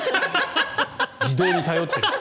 自動に頼っている。